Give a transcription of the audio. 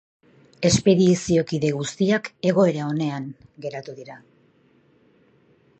Espediziokide guztiak egoera onean heldu dira.